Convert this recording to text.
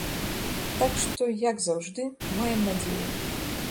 Так што, як заўжды, маем надзею.